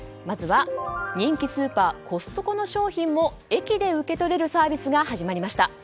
まずは、人気スーパーコストコの商品も駅で受け取れるサービスが始まりました。